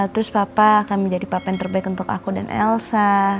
terus papa akan menjadi papan terbaik untuk aku dan elsa